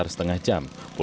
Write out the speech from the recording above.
kembang api itu